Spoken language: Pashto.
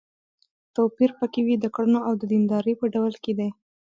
توپير په کې وي د کړنو او د دیندارۍ په ډول کې دی.